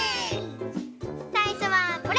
さいしょはこれ！